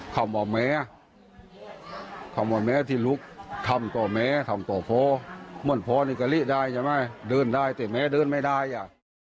คำว่าแม่คำว่าแม้ที่ลุกทำต่อแม้ทำต่อพ่อเหมือนพ่อนี่กะลิได้ใช่ไหมเดินได้แต่แม้เดินไม่ได้อ่ะ